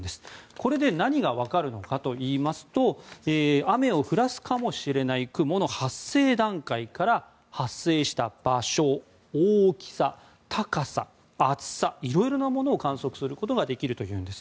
これで何が分かるのかといいますと雨を降らすかもしれない雲の発生段階から、発生した場所大きさ、厚さなどいろいろなものを観測することができるそうです。